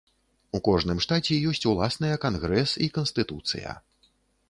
У кожным штаце ёсць уласныя кангрэс і канстытуцыя.